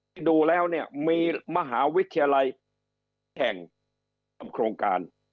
ที่ดูแล้วมีมหาวิทยาลัยแห่งทำโครงการ